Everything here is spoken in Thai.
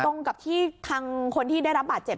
ตรงกับที่ทางคนที่ได้รับบาดเจ็บ